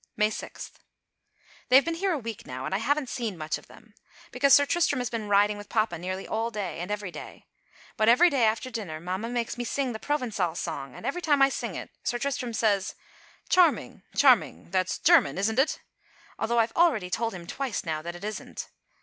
May 6. They've been here a week now and I haven't seen much of them; because Sir Tristram has been riding with papa nearly all day, and every day. But every day after dinner mamma makes me sing the Provençal song, and every time I sing it, Sir Tristram says: "Charming, charming, that's German, isn't it?" although I've already told him twice now that it isn't.